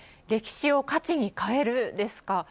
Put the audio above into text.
歴史を価値に変える、ですか。